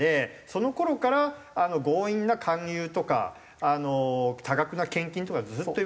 その頃から強引な勧誘とか多額な献金とかずっといわれてて。